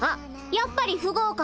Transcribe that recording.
やっぱり不合格。